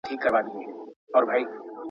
د بازار بیي تل ثابتي نه وي.